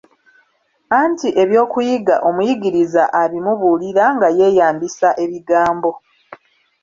Anti ebyokuyiga omuyigiriza abimubuulira nga yeeyambisa ebigambo.